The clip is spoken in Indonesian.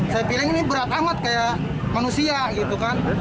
saya pilih ini berat amat kayak manusia gitu kan